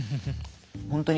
ほんとに